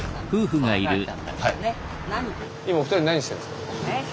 今お二人何してんですか？